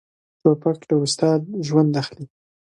توپک له استاد ژوند اخلي.